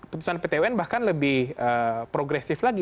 putusan ptwn bahkan lebih progresif lagi